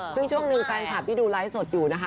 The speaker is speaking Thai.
ซึ่งช่วงหนึ่งแฟนคลับที่ดูไลฟ์สดอยู่นะคะ